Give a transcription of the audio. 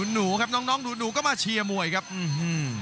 หนูครับน้องน้องหนูก็มาเชียร์มวยครับอื้อหือ